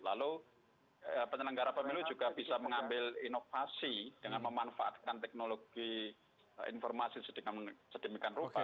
lalu penyelenggara pemilu juga bisa mengambil inovasi dengan memanfaatkan teknologi informasi sedemikian rupa